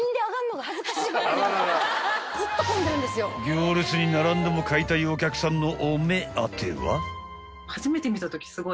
［行列に並んでも買いたいお客さんの］